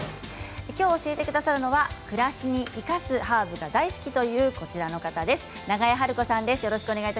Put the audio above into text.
きょう教えてくださるのは暮らしに生かすハーブが大好きという永江晴子さんです。